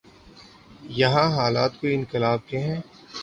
یہاں حالات کوئی انقلاب کے ہیں؟